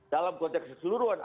dalam konteks keseluruhan